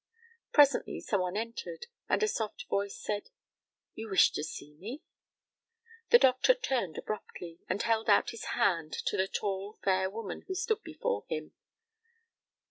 Presently some one entered, and a soft voice said, "You wished to see me?" The doctor turned abruptly, and held out his hand to the tall, fair woman who stood before him.